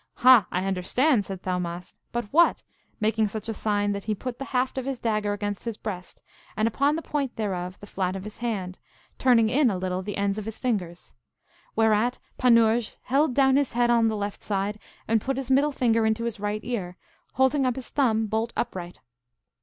Ha, I understand, said Thaumast, but what? making such a sign that he put the haft of his dagger against his breast, and upon the point thereof the flat of his hand, turning in a little the ends of his fingers. Whereat Panurge held down his head on the left side, and put his middle finger into his right ear, holding up his thumb bolt upright.